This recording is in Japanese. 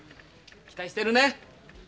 期待してるね。